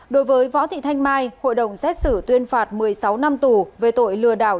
đối với võ thị thanh mai hội đồng xét xử tuyên phạt một mươi sáu năm tù về tội lừa đảo